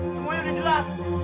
semuanya udah jelas